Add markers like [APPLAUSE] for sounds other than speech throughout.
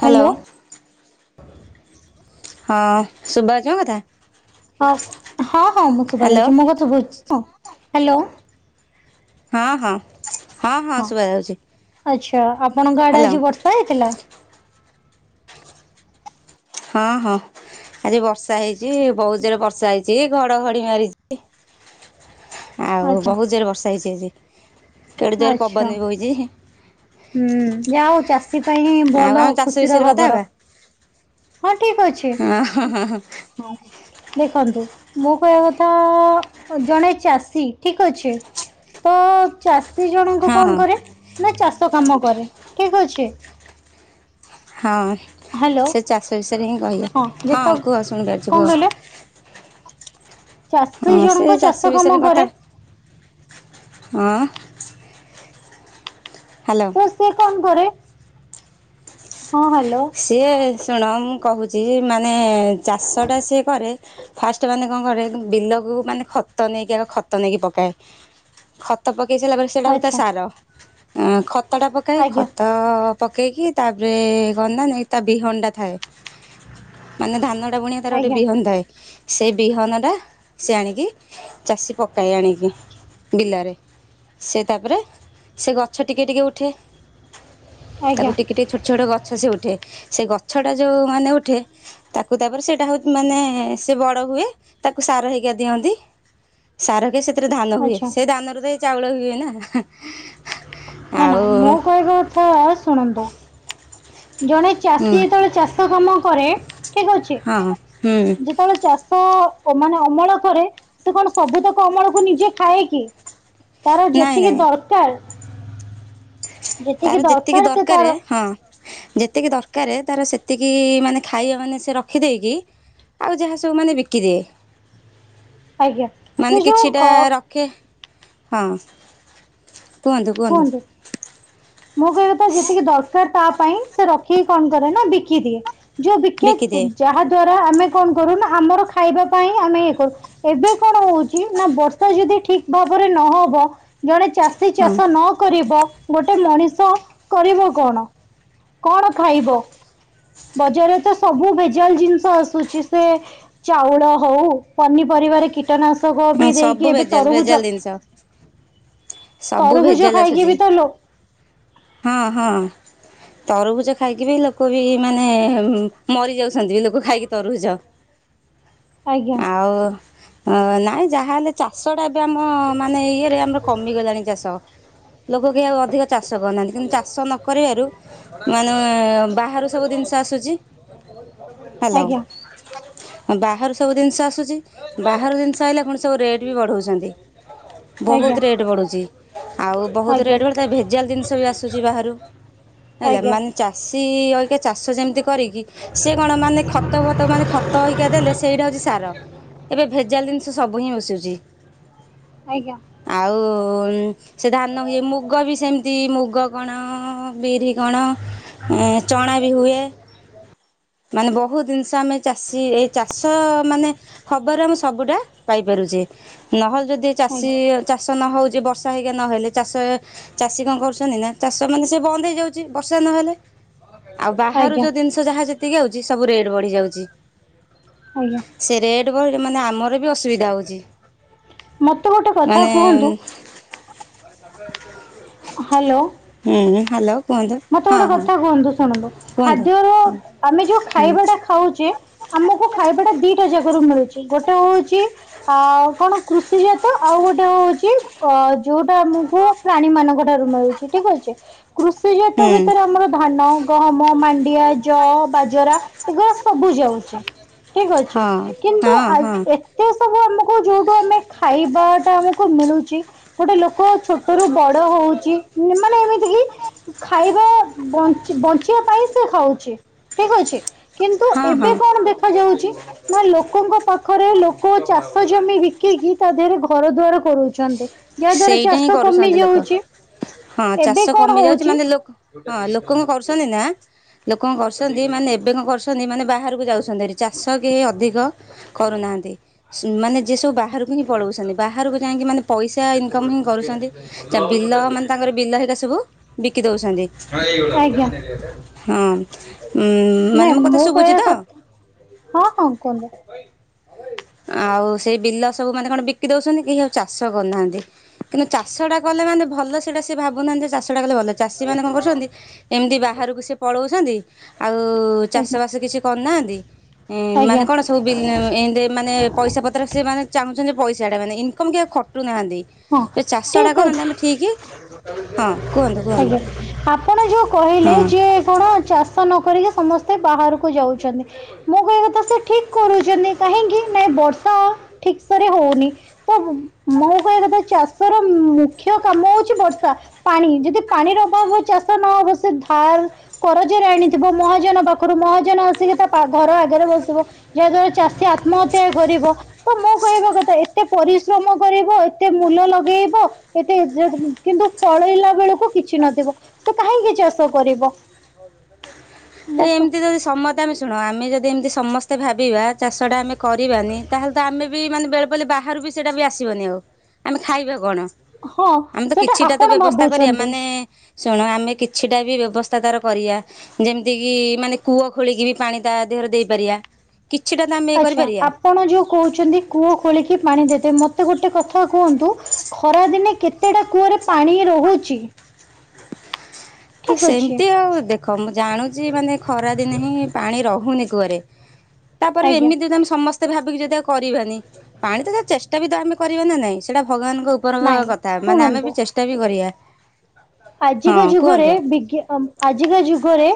Hello hello. ହଁ ଶୁଭାଜାଉଛି ମୋ କଥା। ହଁ ହଁ ହଁ ମୁଁ ହ୍ୟାଲୋ ଶୁଭାଜାଉଛି ମୋ କଥା ଶୁଭୁଛି ତ ହାଲୋ। ହଁ ହଁ ହଁ ହଁ ଶୁଭା ଯାଉଛି। ତ ଆପଣଙ୍କ ଆଡେ ଆଜି ବର୍ଷା ହେଇଥିଲା। ହଁ ହଁ। ଆଜି ବର୍ଷା ହେଇଛି ବହୁତ ଜୋରେ ବର୍ଷା ହେଇଛି ଘଡଘଡି ମାରିଛି। ଆଉ ଆଚ୍ଛା ବହୁତ ଜୋରେ ବର୍ଷା ହେଇଛି ଆଜି। କେଡେ ଜୋରେ ଆଚ୍ଛା ପବନ ବି ବୋହିଛି। ହୁଁ ଯା ହଉ ଚାଷୀ ପାଇଁ ଆଉ ଭଲ ଆମେ ଚାଷ ଖୁସି ବିଷୟରେ ର କଥା ଖବର। ହେବା ହଁ ଠିକ ଅଛି ହଁ ହଁ। ଦେଖନ୍ତୁ ମୋ କହିବା କଥା ଜଣେ ଚାଷୀ ଠିକ ଅଛି। ତ ଚାସ ସି ଜଣଙ୍କ ହଁ କଣ କରେ ନା ଚାଷ କାମ କରେ ଠିକ ଅଛି। ହଁ ହ୍ୟାଲୋ ସେ ଚାଷ ବିଷୟରେ ହିଁ କହିବେ, ହଁ କୁହ ଶୁଣିପାରୁଛି କଣ କୁହ। କହିଲେ ଚାଷୀ ହଁ ସେ ଜଣଙ୍କ ଚାଷ କାମ ବିଷୟରେ କଥା କରେ ହଁ। ହ୍ୟାଲୋ ତ ସେ କଣ କରେ ହଁ ହାଲ ସିଏ ଶୁଣ ମୁଁ କହୁଛି ମାନେ ଚାଷଟା ସିଏ କରେ। ଫାଷ୍ଟ ମାନେ କଣ କରେ ବିଲକୁ ମାନେ ଖତ ନେଇକି ଆଗ ଖତ ନେଇକି ପକାଏ। ଖତ ପକେଇ ସାରିଲା ପରେ ସେଇଟା ହଉଚି ତା ଆଚ୍ଛା ସାର ଖତ ଟା ପକଏ ଆଜ୍ଞା ଖତ। ପକେଇକି ତାପରେ କଣ ନା ନେଇ ତା ବିହନ ଟା ଥାଏ। ମାନେ ଧାନ ଟା ବୁଣିବା ତାର ଗୋଟେ ଆଜ୍ଞା ବିହନ ଥାଏ। ସେଇ ବିହନ ଟା ସେ ଆଣିକି ଚାଷୀ ପକାଏ ଆଣିକି ବିଲରେ। ସେ ତାପରେ ସେ ଗଛ ଟିକେ ଟିକେ ଉଠେ। ଆଜ୍ଞା ତାକୁ ଟିକେ ଟିକେ ଛୋଟ ଛୋଟ ଗ ଛ ସେ ଉଠେ ସେ ଗଛା ଟା ଯୋଉ ମାନେ ଉଠେ ତାକୁ ତାପରେ ସେଇଟା ହଉ ମାନେ ସେ ବଡ। ହୁଏ ତାକୁ ସାର ହେଇକା ଦିଅନ୍ତି ସାର ହେଇ ସେଥିରୁ ଧାନ ହୁଏ ଆଚ୍ଛା ସେଇ ଧାନ ରୁ ତ ଚାଉଳ ହୁଏ ନା। ନା ନା ଆଉ ମୋ କହିବା କଥା ଶୁଣନ୍ତୁ। ଜଣେ ହୁଁ ଚାଷୀ ଯେତେବେଳେ ଚାଷ କାମ କରେ ଠିକ ଅଛି। ହଁ ହୁଁ ଯେତେବେଳେ ଚାଷ। ଓ ମାନେ ଅମଳ କରେ ସେ କଣ ସବୁ ତାକ ଅମଳକୁ ନିଜେ ଖାଏ କି। ତାର ନାଇଁ ଯେତିକି ନାଇଁ ଦରକାର। ତାର ଯେତିକି ଦରକାର ହଁ। ଯେତିକି ଦରକାର ତାର ସେତିକି ମାନେ ଖାଇବା ମାନେ ସେ ରଖିଦେଇକି। ଆଉ ଯାହା ସବୁ ମାନେ ବିକିଦିଏ। ଆଜ୍ଞା ମାନେ, ସେ ଯୋଉ କିଛିଟା ଅ ରଖେ। ହଁ, କୁଅନ୍ତୁ କୁଅନ୍ତୁ? କୁହନ୍ତୁ ମୁଁ କହିବ ତ, ଯେତିକି ଦରକାର ତା ପାଇଁ ସେ ରଖିକି କଣ କରେ ନା ବିକି ଦିଏ। ଯୋଉ ବିକେ, ବିକିଦିଏ ଯାହା ଦ୍ଵାରା ଆମେ କଣ କରୁନା ଆମର ଖାଇବା ପାଇଁ ଆମେ ଇଏ କରୁ, ଏବେ କଣ ହଉଛି ନା ବର୍ଷା ଯଦି ଠିକ ଭାବରେ ନହବ ଜଣେ ଚାଷୀ ଚାଷ ହଁ ନ କରିବ, ଗୋଟେ ମଣିଷ କରିବ କଣ? କଣ ଖାଇବ? ବଜାରରେ ତ ସବୁ ଭେଜାଲ ଜିନିଷ ଆସୁଛି ସେ, ଚାଉଳ ହଉ ପନିପ ପରିବାର କୀଟନାଶକ ବି ସବୁ ଦେଇକି, ଏବେ ଭେଜାଲ ତରୁଭୁଜ ଭେଜାଲ ଜିନିଷ ସବୁ ତରଭୁଜ ଭେଜାଲ ଖାଇକି ଆସୁଛି ବି ତ ଲ ହଁ ହଁ ତରଭୁଜ ଖାଇକି ବି ଲୋକ ବି ମାନେ ମରି ଯାଉଛନ୍ତି, ବି ଲୋକ ଖାଇକି ତରଭୁଜ ଆଜ୍ଞା। ଅ ନାଇଁ ଯାହାହଲେ ଚାଷ ଟା ଏବେ ଆମ ମାନେ ଇଏରେ, ଆମର କମିଗଲାଣି ଚାଷ ଲୋକ କି ଅଧିକ ଚାଷ କରୁନାହାନ୍ତି କିନ୍ତୁ ଚାଷ ନ କରିବାରୁ ମାନେ ବାହାରୁ ସବୁ ଜିନିଷ ଆସୁଛି। ଆଜ [INAUDIBLE] ହାଲୋ ବାହାରୁ ସବୁ ଜିନିଷ ଆସୁଛି, ବାହାର ଜିନିଷ ଆଇଲା, ପୁଣି ସବୁ ରେଟ୍ ବି ବଢଉଛନ୍ତି। ଆଜ୍ଞା ବହୁତ ରେଟ ବଢୁଛି। ଆଉ ବହୁତ ଆଜ୍ଞା। ରେଟ ଭେ ଭେଜାଲ ଜିନିଷ ବି ଆସୁଛି, ବାହାରୁ, ହେଲା ଆଜ୍ଞା ମାନେ ଚାଷୀ ଚାଷ ଯେମିତି କରିକି, ସେ କଣ ମାନେ ଖତ ଭତ ମାନେ ଖତ ଅଇକା ଦେଲେ, ସେଇଟା ହଉଛି ଏବେ ଭେଜାଲି ସବୁ ହିଁ ଆସୁଛି ଆଜ୍ଞା ଆଉ ସେ ଧାନ ହୁଏ, ମୁଗ ବି ସେମିତି ମୁଗ କଣ, ବିରି କଣ ଆ ଚଣା ବି ହୁଏ। ମାନେ ବହୁତ ଜିନିଷ ଆମେ ଚାଷୀ, ଏଇ ଚାଷ ମାନେ ଖବର ଆମେ ସବୁଟା ପାଇପାରୁଛୁ। ନହେଲେ ଯଦି ଚାଷୀ ଆଜ୍ଞା ଚାଷ ନ ହଉଛି ବର୍ଷ [UNINTELLIGIBLE] ନହେଲେ ଚାଷ ଚାଷୀ କଣ କରୁଛନ୍ତି ନା, ଚାଷ ମାନେ ସେ ବନ୍ଦ ହେଇଯାଉଛି, ବର୍ଷା ନହେଲେ ଆଉ ବାହାରୁ ଆଜ୍ଞା ଯୋଉ ଜିନିଷ ଯାହା ଯେତିକି ଆଉଛି ସବୁ ରେଟ ବଢି ଯାଉଛି। ସେ ରେଟ ମାନେ, ଆମର ବି ଅସୁବିଧା ହଉଛି। ମତେ ଗୋଟେ କଥା ମାନେ କୁହନ୍ତୁ? ହାଲୋ ହୁଁ, ହାଲୋ। ମତେ ଗୋଟେ କଥା କୁହନ୍ତୁ ଶୁଣନ୍ତୁ? କୁହନ୍ତୁ ଖାଦ୍ୟର ଆମେ ଯୋଉ ହୁଁ ଖାଇବା ଟା ଖାଉଛେ ଆମକୁ ଖାଇବା ଟା ଦିଟା ଜାଗା ରୁ ମିଳୁଛି। ଗୋଟେ ହଉଛି ଅ କଣ, କୃଷିଜାତ ଆଉ ଗୋଟେ ହଉଛି ଯୋଉଟା ଆମକୁ ପ୍ରାଣୀ ମାନଙ୍କ ଠାରୁ ମିଳୁଛି, ଠିକ ଅଛି। କୃଷି ଜାତ ହୁଁ। ଭିତରେ ଆମର ଧାନ ଗହମ, ମାଣ୍ଡିଆ, ଜ, ବାଜରା, ଏଗୁରା ସବୁ ଯାଉଛି। ଠିକ ଅଛି। ହଁ କିନ୍ତୁ ହଁ ହଁ ଏତେ ସବୁ ଆମକୁ ଯୋଉଠୁ ଆମେ ଖାଇ ଇବା ଟା ଆମକୁ ମିଳୁଛି, ଗୋଟେ ଲୋକ ଛୋଟରୁୁ ବଡ ହଉଛି, ମାନେ ଏମିତି କି ଖାଇବା, ବଞ୍ଚିବା ପାଇଁ ସେ ଖାଉଛି ଠିକ ଅଛି। କିନ୍ତୁ, ହଁ ଏବେ ହଁ କଣ ଦେଖାଯାଉଛି ନା ଲୋକଙ୍କ ପାଖରେ ଲୋକ ଚାଷ ଜମି ବିକିକି ତା ଦେହରେ ଘର ଦୁଆର କରଉଛନ୍ତି। ଯାହା ଦ୍ଵାରା ସେଇଟା ହିଁ ଚାଷ କମି କରୁଛନ୍ତି ଲୋକ। ଯାଉଛି, ହଁ ଏବେ ଚାଷ କଣ କମି ଯାଉଛି ହଉଛି? ମାନେ ଲୋକ ହଁ, ଲୋକ କଣ କରୁଛନ୍ତି, ନାଁ? ଲୋକ କଣ କରୁଛନ୍ତି, ମାନେ ଏବେ କଣ କରୁଛନ୍ତି, ମାନେ ବାହାରକୁ ଯାଉଛନ୍ତିହେରି, ଚାଷ କେହି ଅଧିକ କରୁନାହାଁନ୍ତି। ମାନେ ଯିଏ ସବୁ ବାହାରକୁ ହିଁ ପଳଉଛନ୍ତି, ବାହାରକୁ ଯାଇକି ମାନେ ପଇସା ଇନକମ ହିଁ କରୁଛନ୍ତି, ବିଲ ମାନେ ତାଙ୍କର ବିଲ ହେକା ସବୁ ବିକା ଆଜ୍ଞା। ହଁ। ଉଁ ମାନେ ମୋ କଥା ଶୁଭୁଛି ତ? [UNINTELLIGIBLE] ଆଉ ସେଇ ବିଲ ସବୁମାନେ କଣ ବିକି ଦଉଛନ୍ତି, କେହି ଆଉ ଚାଷ କରୁନାହାଁନ୍ତି। କିନ୍ତୁ ଚାଷଟା କଣ ଦେଖିଆ ଭଲ ସେଇଟା ସେମାନେ ଭାବୁନାହାଁନ୍ତି। ଚାଷ ସେଟା କଲେ ଭଲ, ଚାଷୀମାନେ କଣ କରୁଛନ୍ତି ଏମିତି ବାହାରକୁ ସିଏ ପଳଉଛନ୍ତି ଆଉ ଆଜ୍ଞା ଚାଷବାସ କିଛି କରୁନାହାନ୍ତି, ମାନେ ଆଜ୍ଞା କଣ ସବୁ ବିଲ ଏମ୍ତି ମାନେ ପଇସା ପତ୍ର ସେମାନେ ଚାହୁଁଛନ୍ତି ପଇସାଟା, ମାନେ ଇନକମ୍ କି ଖଟୁନାହାନ୍ତି। ହଁ ଚାଷ ଟା ଠିକ ଅଛି। କରନ୍ତେ ଆମେ ଠିକ୍ ହଁ କୁହନ୍ତୁ କୁହନ୍ତୁ ଆଜ୍ଞା। ଆପଣ ଯୋଉ କହିଲେ ହଁ। ଯେ କଣ ଚାଷ ନ ସମସ୍ତେ ବାହାରକୁ ଯାଉଛନ୍ତି, ମୁଁ କହିବା କଥା ସେ ଠିକ କରୁଛନ୍ତି କାହିଁକି ନାଁ ଏ ବର୍ଷ ଠିକସରେ ହଉନି। ‌ତ ମୁଁ ତ କହିବା କଥା ଚାଷ ର ମ ମୁଖ୍ୟ କାମ ହଉଛି ବର୍ଷା ପାଣି ଯଦି ପାଣି ର ଅଭାବ ହବ ଚାଷ ନ ହବ ସେ ଧାର କରଜରେ ଆଣିଥିବ ମହାଜନ ପାଖରୁ, ମହାଜନ ଆସିକି ତା ପ ଘର ଆଗରେ ଵସିବ। ଯାହାଦ୍ଵାରା ଚାଷୀ ଆତ୍ମହତ୍ୟା କରିବ। ତ ମୋ କହିବା କଥା ଏତେ ପରିଶ୍ରମ କରିବ ଏତେ ମୂଲ ଲଗେଇବ ଏତେ [UNINTELLIGIBLE] କିନ୍ତୁ ଫଳେଇଲା ବେଳକୁ କିଛି ନଥିବ, ସେ କାହିଁକି? ଚାଷ କରିବ? ଆରେ [UNINTELLIGIBLE] ଏମିତି ଯଦି ସମସ୍ତେ ଆମେ ଶୁଣ, ଆମେ ଯଦି ଏମିତି ସମସ୍ତେ ଭାବିବା ଚାଷଟ ଟା ଆମେ କରିବାନି ତାହେଲେ ତ ଆମେ ବି ମାନେ ବେଳ ପଡିଲେ ବାହାରୁ ବି ସେଇଟା ବି ଆସିବନି ଆଉ ଆମେ ଖାଇବା କଣ? ହଁ ଆମେ ତ ସେଟା କିଛିଟା ତ ଆପଣ ବ୍ୟବସ୍ଥା କରିବା ଭାବୁଛନ୍ତି ମାନେ ଶୁଣ ଆମେ କିଛିଟା ବି ବ୍ୟବସ୍ଥା ତାର କରିବା, ଯେମିତି କିି ମାନେ କୂଅ ଖୋଳିକି ବି ପାଣି ତା ଦେହରେ ଦେଇପାରିବା। କିଛିଟା ତ ଆମେ ଇଏ ଆଚ୍ଛା କରିପାରିବା। ଆପଣ ଯୋଉ କହୁଛନ୍ତି, କୂଅ ଖୋଳିକି ପାଣି ଦେବେ। ମତେ ଗୋଟେ କଥା କୁହନ୍ତୁ, ଖରା ଦିନେ କେତେଟା କୂଅରେ ପାଣି ରହୁଛି? ଠିକ୍ ଅଛି ସେମିତି ଆଉ ଦେଖ, ମୁଁ ଜାଣୁଛି ମାନେ ଖରାଦିନେ ହିଁ ପାଣି ରହୁନି। କୁଅ ରେ। ତାପରେ ବି ଆଜ୍ଞା ଏମିତି ତମେ ସମସ୍ତେ। ତେ ଭାବିକି ଯଦି ଆଉ କରିବାନି ପାଣି ତ ଚେଷ୍ଟା ବି ତ ଆମେ କରିବା ନାହିଁ। ସେଇଟା ଭଗବାନଙ୍କ ଉପରଙ୍କ ନାଇଁ କଥା ମାନେ ଆମେ ଶୁଣନ୍ତୁ ବି ଚେଷ୍ଟା ବି କରିବା। ଆଜିକା ହଁ ଯୁଗରେ କୁହନ୍ତୁ ବି କି ଆଜିକା ଯୁଗରେ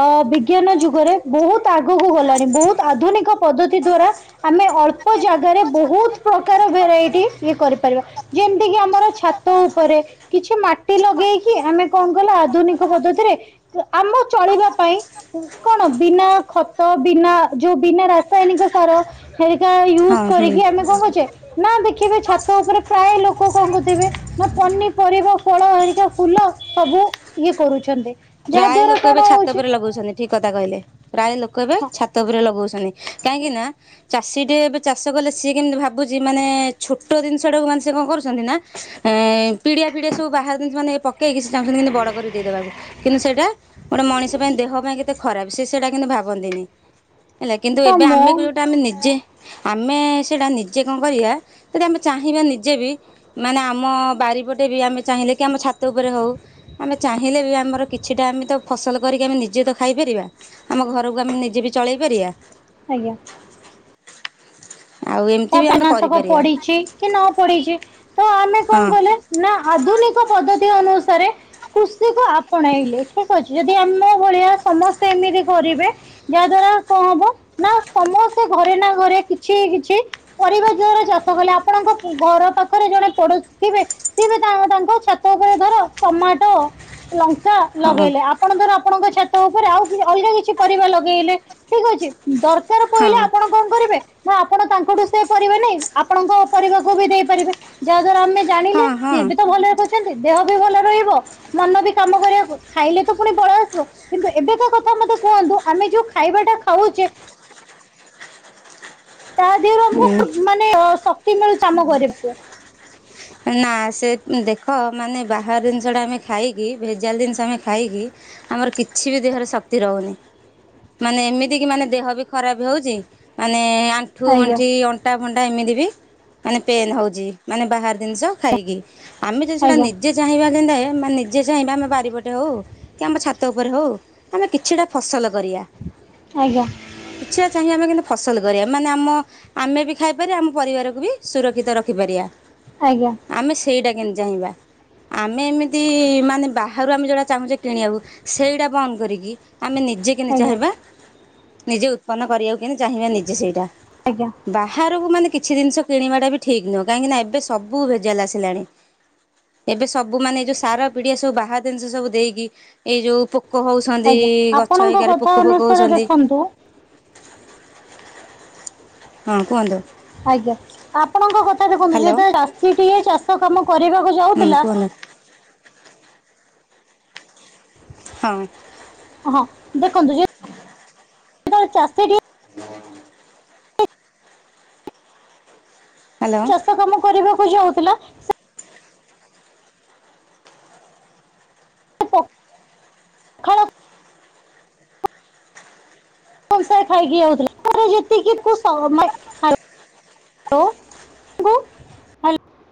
ଅଁ ବିଜ୍ଞାନ ଯୁଗରେ ବହୁତ ଆଗକୁ ଗଲାଣି, ବହୁତ ଆଧୁନିକ ପଦ୍ଧତି ଦ୍ଵାରା ଆମେ ଅ ଅଳ୍ପ ଜାଗାରେ ବହୁତ ପ୍ରକାର ଭେରାଇଟି ଇଏ କରିପାରିବା। ଯେମିତି କି ଆମର ଛାତ ଉପରେ। କିଛି ମାଟି ଲଗେଇକି। କି ଆମେ କଣ କଲା ଆଧୁନିକ ପଦ୍ଧତିରେ ଆମ ଚଳିବା ପାଇଁ କଣ ବିନା ଖତ ବିନା ଯୋଉ ବିନା ରାସାୟନିକ ସାର ସେରିକା ହଁ ୟୁଜ୍ ହୁଁ କରିକି ଆମେ କଣ କରୁଛେ ନା ଦେଖିବେ ଛାତ ଉପରେ ପ୍ରାୟ ଲୋକ କଣ କରୁଥିବେ ନା ପନିପରିବା ଫଳ ଆରିକା ଫୁଲ ସବୁ ଇଏ କରୁଛନ୍ତି। ଯାହା ପ୍ରାୟ ଦ୍ଵାରା ଲୋକ ଏବେ କଣ ଛାତ ହଉଛି ଉପରେ ଲଗଉଛନ୍ତି ଠିକ କଥା କହିଲେ ପ୍ରାୟ ଲୋକ ଏବେ ହଁ ଛାତ ଉପରେ ଲଗଉଛନ୍ତି। କାହିଁକି ନା ଚାଷୀ ଟେ ଏବେ ଚାଷ କଲେ ସିଏ କେମିତି ଭାବୁଛି ମାନେ ଛୋଟ ଜିନିଷ ଟାକୁ ମାନେ ସେ କଣ କରୁ [UNINTELLIGIBLE] ଏ ପିଡିଆ ଫିଡିଆ ସବୁ ବାହାରୁ ମାନେ ପକେଇକି ସେ ଚାହୁଛନ୍ତି ବଡ କରି ଦେଇଦବାକୁ କିନ୍ତୁ ସେଇଟା ଗୋଟେ ମଣିଷ ପାଇଁ ଦେହ ପାଇଁ କେତେ ଖରାପ ସେ ସେଇଟା କିନ୍ତୁ ଭାବନ୍ତିନି ହେଲା କିନ୍ତୁ ତ ଏବେ ମୋ ଆମେ ଯୋଉଟା ଆମେ ନିଜେ ଆମେ ସେଇଟା ନିଜେ କଣ କରିବା ଯଦି ଆମେ ଚାହିଁବା ନିଜେ ବି ମାନେ ଆମ ଚିପଟେ ବି ଆମେ ଚାହିଁଲେ କି ଆମ ଛାତ ଉପରେ ହଉ ଆମେ ଚାହିଁଲେ ବି ଆମର କିଛିଟା ଆମେ ତ ଫସଲ କରିକି ଆମେ ନିଜେ ତ ଖାଇପାରିବା ଆମ ଘରକୁ ଆମେ ନିଜେ ବି ଚଳେଇ ପାରିବା। ଆଜ୍ଞା। ଆଉ ଏମିତି ତ [UNINTELLIGIBLE] ବି ଆମେ ପନାଶକ କରିପାରିବା ପଢିଛି କି ନ ପଢିଛି ତ ଆମେ ହଁ କଣ କହିଲେ ନା ଆଧୁନିକ ପଦ୍ଧତି ଅନୁସାରେ କୃଷିକୁ ଆପଣେଇଲେ ଠିକ୍ ଅଛି ଯଦି ଆମ ଭଳିଆ ସମସ୍ତେ ଏମିତି କରିବେ ଯା ଦ୍ଵାରା କଣ ହବ ନା ସମସ୍ତେ ଘରେ ନା ଘରେ କିଛି କିଛି ପରିବା [UNINTELLIGIBLE] ଜୋରରେ ଚାଷ କଲେ ଆପଣଙ୍କ ଘର ପାଖରେ ଜଣେ ପଡୋଶୀ ଥିବେ ସିଏ ବି ତାଙ୍କ ଛାତ କ ଧର ଟମାଟୋ ଲଙ୍କା ହଁ। ଲଗେଇଲେ ଆପଣଙ୍କର ଲଙ୍କା ଲଗେଇଲେ ଆପଣଧର ଆପଣଙ୍କ ଛାତ ଉପରେ ଆଉ ଅଲଗା କିଛି ପରିବା ଲଗେଇଲେ ଠିକ ଅଛି। ଦରକାର ହଁ ପହିଲେ ଆପଣ କଣ କରିବେ ନା ଆପଣ ତାଙ୍କଠୁ ପାରିବେ ନାାଇଁ ଆପଣଙ୍କ ପରିବାକୁ ବି ଦେଇପାରିବେ ଯାହା ଦ୍ଵାରା ଆମେ ଜାଣିଲେ ହଁ ହଁ ସିଏ ବି ତ ଭଲରେ କହୁଛନ୍ତି। ଦେହ ବି ଭଲ ରହିବ ମନ ବି କାମ କରିବାକୁ ଖାଇଲେ ତ ପୁଣି ବଳ ଆସିବ କିନ୍ତୁ ଏବେକା କଥା ମତେ କୁହନ୍ତୁ ଆମେ ଯୋଉ ଖାଇବା ଟା ଖାଉଛେ? ତା ଦେହରୁ ଉଁ। ଆମକୁ ମାନେ ଶକ୍ତି ମିଳୁଛି କାମ କରିବାକୁ। ନା ସେ ଦେଖ ମାନେ ବାହାର ଜିନିଷ ଟା ଆମେ ଖାଇକି ଭେଜାଲ ଜିନିଷ ଆମେ ଖାଇକି? ଆମର କିଛି ବି ଦେହରେ ଶକ୍ତି ରହୁନି। ମାନେ ଏମିତି କି ମାନେ ଦେହ ବି ଖରାପ ହଉଛି ମାନେ ଆଜ୍ଞା ଆଣ୍ଠୁଗଣ୍ଠି ଅଣ୍ଟା ଫଣ୍ଟା ଏମିତି ବି ମାନେ ପେନ୍ ହଉଛିା ଜିନିଷ ଖାଇକି ଆମେ ଯଦି ସେଟା ଆଜ୍ଞା ନିଜେ ଚାହିଁବା ଯେନ୍ତା। ନିଜେ ଚାାଇଁବା ଆମେ ବାରିପଟେ ହଉ କି ଆମ ଛାତ ଉପରେ ହଉ ଆମେ କିଛିଟା ଫସଲ କରିବା ଆଜ୍ଞା କିଛିଟା ଚାହି ଆମେ କିନ୍ତୁ? ଫସଲ କରିବା ମାନେ ଆମ ଆମେ ବି ଖାଇପାରିବା ଆମ ପରିବାରକୁ ବି ସୁରକ୍ଷିତ ରଖିପାରିବା। ଆଜ୍ଞା ଆମେ ସେଇଟା କେମତି ଚାହିଁବା। ଆମେ ଏମିତି ମାନେ ବାହାରୁ ଆମେ ଯୋଉଟା ଚାହୁଁଛେ କିଣିବାକୁ ସେଇଟା ବନ୍ଦ କରିକି ଆମେ ନିଜେ କେମିତି ଆଜ୍ଞା ଚାହିଁବା ନିଜେ ଉତ୍ପନ୍ନ କରିବାକୁ। ଚାହିଁବା ନିଜେ ସେଇଟା ଆଜ୍ଞା ବାହାରକୁ ମାନେ କିଛି ଜିନିଷ କିଣିବା ଟା ବି ଠିକ ନୁହଁ କାହିଁକିନା ଏବେ ସବୁ ଭେଜାଲ ଆସିଲାଣି। ଏବେ ସବୁ ମାନେ ଏ ଯୋଉ ସାର ପିଡିଆ ସବୁ ବାହା ଜିନିଷ ସବୁ ଦେଇକି ଏଇ ଯୋଉ ପୋକ ପୋକ ହଉଛନ୍ତି ଆଜ୍ଞା ଗଛ ଆପଣଙ୍କ ହେଇକାରେ କଥା ପୋକ ଫୋକ ଅନୁସାରେ ହଉଛନ୍ତି। ଦେଖନ୍ତୁ ହଁ କୁହନ୍ତୁ? ଆଜ୍ଞା ଆପଣଙ୍କ କଥା ଦେଖନ୍ତୁ ହ୍ୟାଲୋ ଯେତବେଳେ ଚାଷୀ ଟିଏ ଚାଷ କାମ କରିବାକୁ ହୁଁ ଯାଉଥିଲା। କୁହନ୍ତୁ ହଁ। ହହଁ ଦେଖନ୍ତୁ ଯେ ଳେ ଚାଷୀ ଟିଏ। ହଁ। [UNINTELLIGIBLE] ହ୍ୟାଲୋ। ଚାଷ କାମ କରିବାକୁ ଯାଉଥିଲା ସେ ଖଣ। କସେ ଖାଇକି ଯଉଥିଲା ଯେତିକିକୁ ସମୟ ହ୍ୟାଲୋ କୁ ହା।